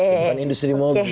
bukan industri mobil